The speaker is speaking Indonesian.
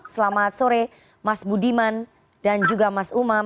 selamat sore mas budiman dan juga mas umam